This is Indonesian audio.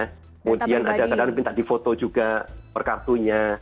kemudian ada kadang kadang minta di foto juga per kartunya